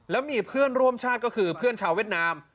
แล้วมีเพื่อนร่วมชาติก็คือเพื่อนชาวเวียดนาม